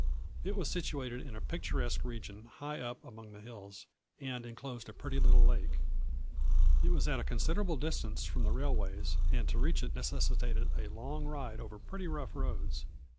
It was situated in a picturesque region high up among the hills, and enclosed a pretty little lake. It was at a considerable distance from the railways, and to reach it necessitated a long ride over pretty rough roads.